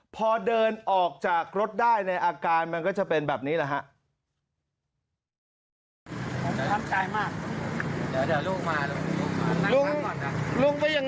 พอเดินออกจากรถได้ในอาการมันก็จะเป็นแบบนี้แหละฮะ